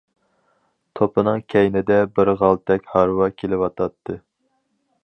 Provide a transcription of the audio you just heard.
توپنىڭ كەينىدە بىر غالتەك ھارۋا كېلىۋاتاتتى.